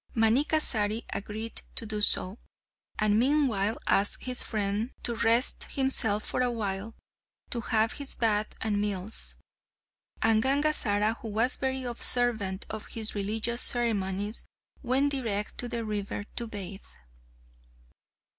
Manikkasari agreed to do so, and meanwhile asked his friend to rest himself for a while to have his bath and meals; and Gangazara, who was very observant of his religious ceremonies, went direct to the river to bathe.